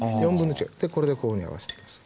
でこれでこういうふうに合わせていきます。